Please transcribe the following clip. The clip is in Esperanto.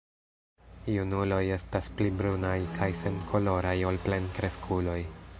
Junuloj estas pli brunaj kaj senkoloraj ol plenkreskuloj.